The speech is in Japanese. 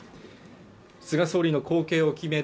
菅総理の後継を決める